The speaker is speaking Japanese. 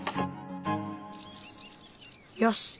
よし。